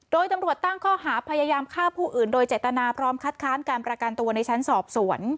โดยตำรวจตั้งข้อหาพยายามฆ่าผู้อื่นโดยเจตนาพร้อมคัดค้านการประกันตัวในชั้นสอบสวน